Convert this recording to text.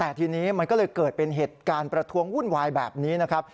แต่ทีนี้มันก็เลยเกิดเป็นเหตุการณ์ประท้วงวุ่นวายแบบนี้นะครับ